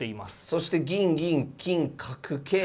そして銀銀金角桂桂。